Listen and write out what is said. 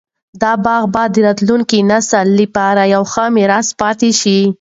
دا باغ به د راتلونکي نسل لپاره یو ښه میراث پاتې شي.